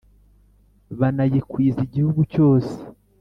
Banayikwiza igihugu cyose